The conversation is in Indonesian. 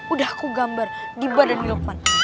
udah aku gambar di badan di lopan